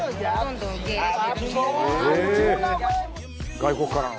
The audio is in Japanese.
外国からの？